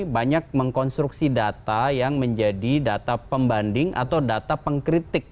banyak mengkonstruksi data yang menjadi data pembanding atau data pengkritik